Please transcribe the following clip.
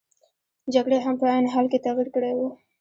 جګړې هم په عین حال کې تغیر کړی وو.